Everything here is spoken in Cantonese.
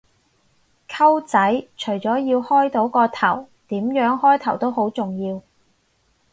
溝仔，除咗要開到個頭，點樣開頭都好重要